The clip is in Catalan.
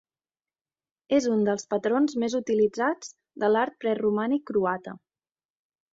És un dels patrons més utilitzats de l'art preromànic croata.